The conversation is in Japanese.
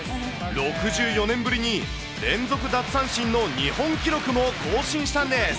６４年ぶりに連続奪三振の日本記録も更新したんです。